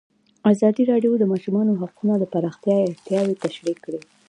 ازادي راډیو د د ماشومانو حقونه د پراختیا اړتیاوې تشریح کړي.